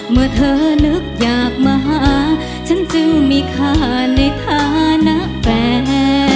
เมื่อเธอนึกอยากมาหาฉันจึงมีค่าในฐานะแฟน